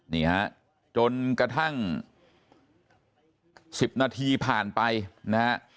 นี่ฮะจนกระทั่ง๑๐นาทีผ่านไปนะฮะ